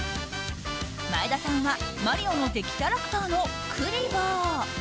前田さんはマリオの敵キャラクターのクリボー。